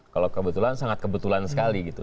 kalau kebetulan sangat kebetulan sekali gitu